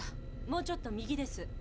もうちょっと右です。